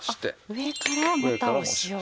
上からまた塩を。